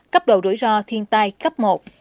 cấp độ đối ro thiên tai cấp một